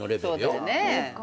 そうだよね。